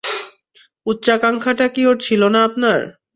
উচ্চাকাঙ্ক্ষাটা কি ওর ছিল না আপনার?